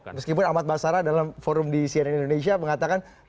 meskipun ahmad basara dalam forum di cnn indonesia mengatakan